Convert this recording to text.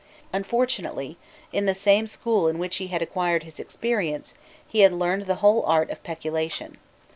Unfortunately, in the same school in which he had acquired his experience, he had learned the whole art of peculation.